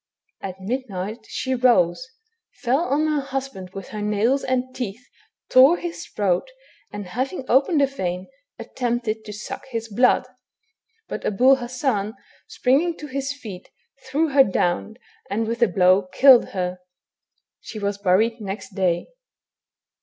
At midnight she rose, fell on her husband with her nails and teeth, tore his throat, and having opened a vein, attempted to suck his blood ; but Abul Hassan springing to his feet threw her down, and with a blow killed her. She was buried next day.